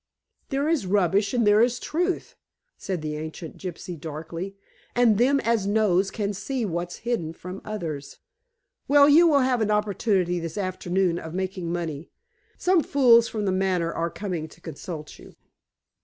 "There is rubbish and there is truth," said the ancient gypsy darkly. "And them as knows can see what's hidden from others." "Well, you will have an opportunity this afternoon of making money. Some fools from The Manor are coming to consult you."